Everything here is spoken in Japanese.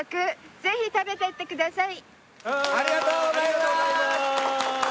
ぜひ食べてってください」